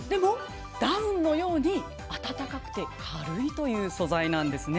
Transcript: ダウンのように暖かくて軽いという素材なんです。